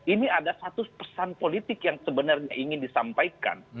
ini ada satu pesan politik yang sebenarnya ingin disampaikan